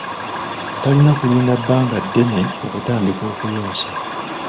Talina kulinda bbanga ddene okutandika okuyonsa.